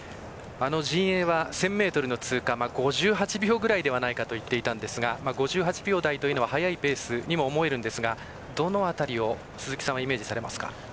陣営は１０００ｍの通過５８秒ぐらいではないかと言っていたんですが５８秒台というのは速いペースにも思えるんですがどの辺りを鈴木さんはイメージされますか？